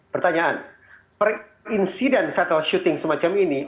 pertanyaan perinsiden fatal shooting semacam ini